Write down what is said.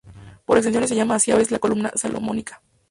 Por extensión se llama así a veces a la columna salomónica.